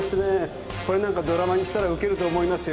これなんかドラマにしたらウケると思いますよ。